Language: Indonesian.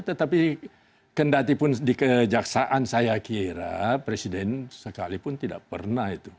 tetapi kendatipun di kejaksaan saya kira presiden sekalipun tidak pernah itu